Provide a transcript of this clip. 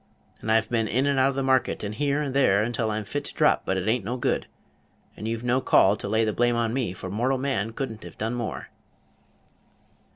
And I've been in and out the market, and here and there, until I'm fit to drop, but it a'n't no good; and you've no call to lay the blame on me, for mortal man could n't have done more."